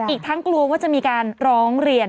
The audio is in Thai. อีกทั้งกลัวว่าจะมีการร้องเรียน